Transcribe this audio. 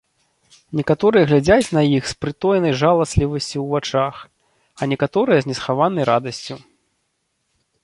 Некаторыя глядзяць на іх з прытоенай жаласлівасцю ў вачах, а некаторыя з несхаванай радасцю.